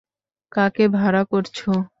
কাকে ভাড়া করছো?